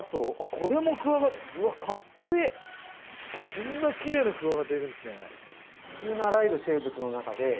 こんなきれいなクワガタいるんですね。